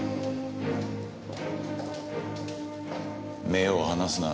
目を離すな。